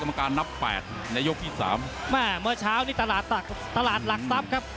โอ้โหโอ้โหโอ้โหโอ้โหโอ้โห